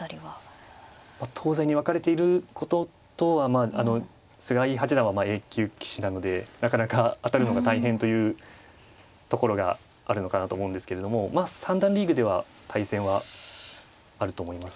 東西に分かれていることと菅井八段はＡ級棋士なのでなかなか当たるのが大変というところがあるのかなと思うんですけれどもまあ三段リーグでは対戦はあると思います。